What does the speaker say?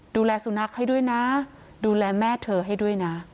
ดูแลสุนัขให้ด้วยนะดูแลแม่เธอให้ด้วยนะ